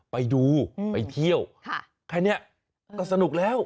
ไปดูไปเที่ยวแค่นี้ก็สนุกแล้ว